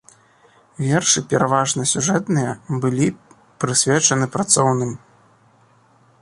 Вершы, пераважна сюжэтныя былі прысвечаны працоўным.